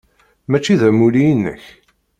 Mačči d amulli-inek.